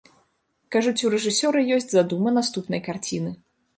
Кажуць, у рэжысёра ёсць задума наступнай карціны.